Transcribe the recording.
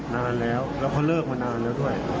นานแล้วแล้วเขาเลิกมานานแล้วด้วย